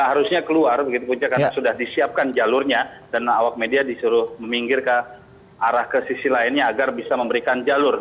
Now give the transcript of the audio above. harusnya keluar begitu punca karena sudah disiapkan jalurnya dan awak media disuruh meminggir ke arah ke sisi lainnya agar bisa memberikan jalur